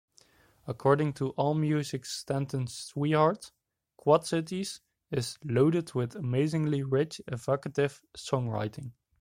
According to AllMusic's Stanton Swihart, "Quad Cities" is "loaded with amazingly rich, evocative songwriting".